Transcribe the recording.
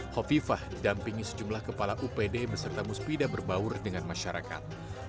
hovifah didampingi sejumlah kepala upd beserta musbida berbaur dengan masyarakat